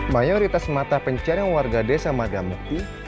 mayoritas mata pencarian warga desa magamukti